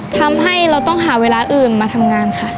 ทำให้เราต้องหาเวลาอื่นมาทำงานค่ะ